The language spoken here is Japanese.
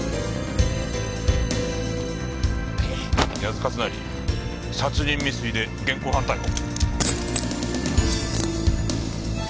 谷津勝成殺人未遂で現行犯逮捕。